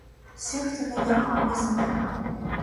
Сүйх тэргэнд ямар хүн байсан бэ?